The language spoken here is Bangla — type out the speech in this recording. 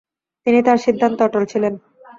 তিনি তাঁর সিদ্ধান্তে অটল ছিলেন।